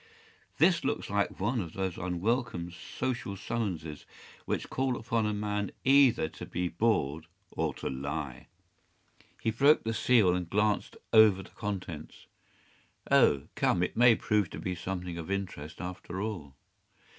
This looks like one of those unwelcome social summonses which call upon a man either to be bored or to lie.” He broke the seal and glanced over the contents. “Oh, come, it may prove to be something of interest after all.